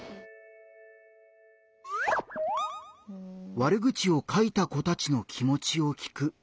「悪口を書いた子たちの気もちを聞く」。